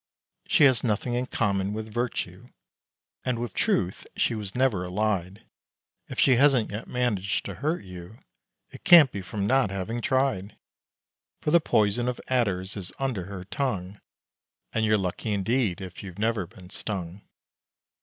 She has nothing in common with Virtue, And with Truth she was never allied; If she hasn't yet managed to hurt you, It can't be from not having tried! For the poison of adders is under her tongue, And you're lucky indeed, if you've never been stung.